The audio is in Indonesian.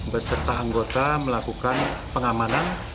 beserta anggota melakukan pengamanan